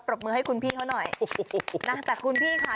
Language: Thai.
บมือให้คุณพี่เขาหน่อยนะแต่คุณพี่ค่ะ